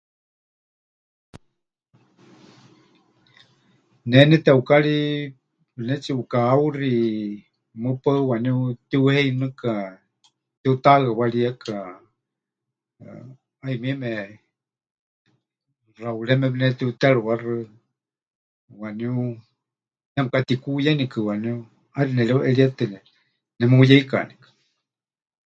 Ne neteukari pɨnetsiʼukahauxi mɨpaɨ waníu tiuheinɨka, tiutahɨawarieka, ˀayumieme Xaureme pɨnetiuterɨwáxɨ, waníu nemɨkatikuuyenikɨ waníu, ʼaixɨ nereuʼeríetɨ nemuyeikanikɨ.